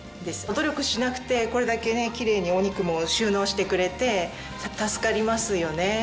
努力しなくてこれだけキレイにお肉も収納してくれて助かりますよね。